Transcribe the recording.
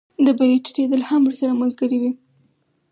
د بیو ټیټېدل هم ورسره ملګري وي